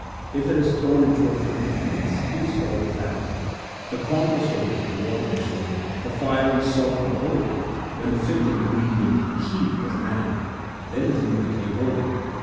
If it is thrown into a filthy place ; whose fault is that ? The corn was holy, the water was holy, the fire and salt were holy ; when the fifth ingredient, ghi, 1 was added, Then the food became holy.